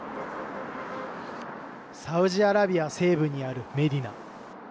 サウジアラビア西部にあるメディナ。